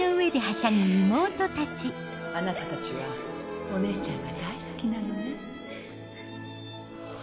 あなたたちはおねえちゃんが大好きなのね。